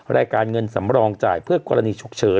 รายการเงินสำรองจ่ายเพื่อกรณีฉุกเฉิน